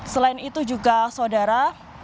selain itu juga saudara